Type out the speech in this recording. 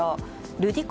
ルディコ